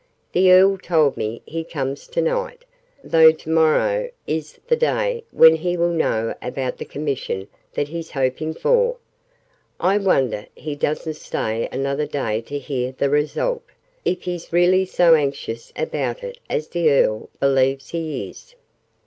The Earl told me he comes tonight, though to morrow is the day when he will know about the Commission that he's hoping for. I wonder he doesn't stay another day to hear the result, if he's really so anxious about it as the Earl believes he is."